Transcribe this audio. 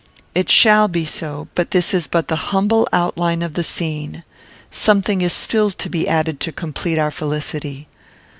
"It shall be so; but this is but the humble outline of the scene; something is still to be added to complete our felicity."